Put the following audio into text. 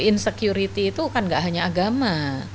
insecurity itu kan gak hanya agama